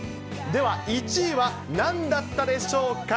では、１位はなんだったでしょうか？